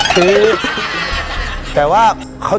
กิเลนพยองครับ